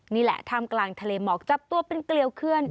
นี่แหละท่ามกลางทะเลหมอกจับตัวเป็นเกลียวเคลื่อน